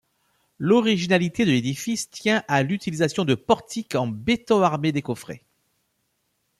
L'originalité de l'édifice tient à l'utilisation de portiques en béton armé décoffré.